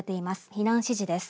避難指示です。